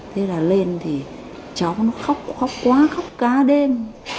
thế là lên thì cháu nó khóc khóc quá khóc cá đêm